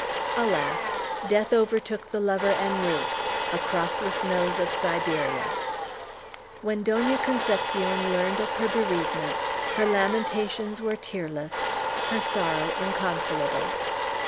Alas, death overtook the lover en route across the snows of Siberia. When Doña Concepcion learned of her bereavement, her lamentations were tearless, her sorrow inconsolable.